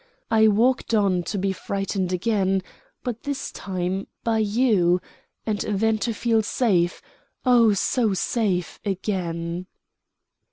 I walked on to be frightened again, but this time by you; and then to feel safe, oh, so safe, again."